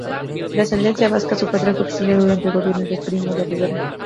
De ascendencia vasca, su padre fue exiliado durante el gobierno de Primo de Rivera.